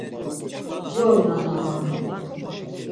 “Yoy nanaa!